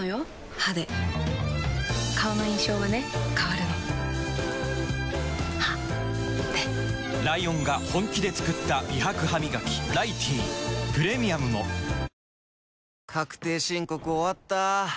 歯で顔の印象はね変わるの歯でライオンが本気で作った美白ハミガキ「ライティー」プレミアムも確定申告終わった。